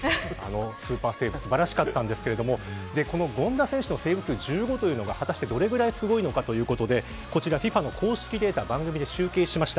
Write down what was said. スーパーセーブ素晴らしかったんですが権田選手のセーブ数１５が果たして、どれぐらいすごいのかということでＦＩＦＡの公式データを番組で集計しました。